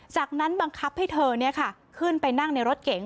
จากนั้นบังคับให้เธอขึ้นไปนั่งในรถเก๋ง